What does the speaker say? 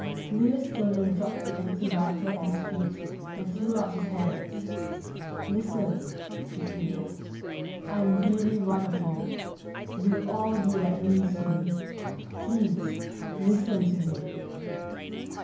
Lewis Stillman dropped the empty rifle at his feet and threw out his hands. "Listen," he pleaded, "I'm really one of you. You'll all be like me soon. Please, listen to me."